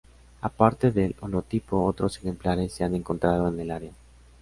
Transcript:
Aparte del holotipo, otros ejemplares se han encontrado en el área.